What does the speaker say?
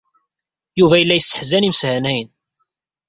Yuba yella yesseḥzan imeshanayen.